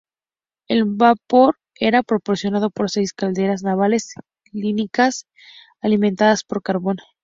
El vapor era proporcionado por seis calderas navales cilíndricas alimentadas por carbón.